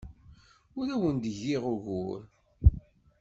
Ur awen-d-giɣ ugur.